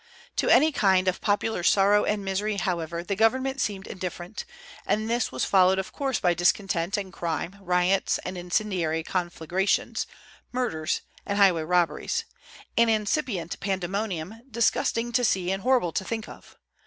To any kind of popular sorrow and misery, however, the government seemed indifferent; and this was followed of course by discontent and crime, riots and incendiary conflagrations, murders and highway robberies, an incipient pandemonium, disgusting to see and horrible to think of.